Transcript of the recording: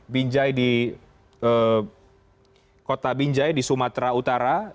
binjai di kota binjai di sumatera utara